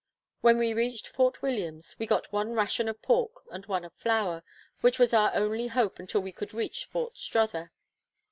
When we reached Fort Williams, we got one ration of pork and one of flour, which was our only hope until we could reach Fort Strother.